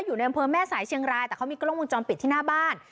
อยู่ในอำเภอแม่สายเชียงรายแต่เขามีกล้องวงจรปิดที่หน้าบ้าน